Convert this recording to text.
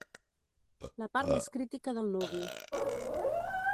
La part més crítica del nuvi.